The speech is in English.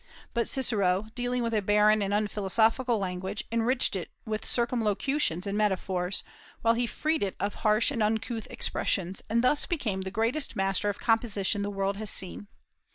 But Cicero, dealing with a barren and unphilosophical language, enriched it with circumlocutions and metaphors, while he freed it of harsh and uncouth expressions, and thus became the greatest master of composition the world has seen.